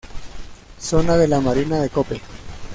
Zona de la Marina de Cope.